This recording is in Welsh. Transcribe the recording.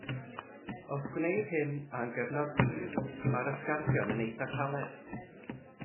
Os gwneir hyn am gyfnod hir, mae'r ysgarthion yn eithaf caled.